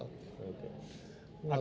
dan semua yang saya lakukan salah